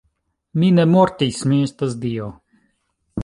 Mi ne mortis, mi estas dio.